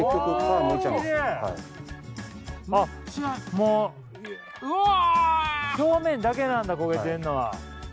もう表面だけなんだ焦げてるのは。